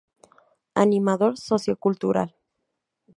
Animador Sociocultural.